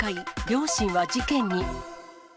両親は事件に。